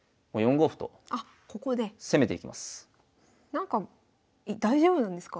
なんか大丈夫なんですか？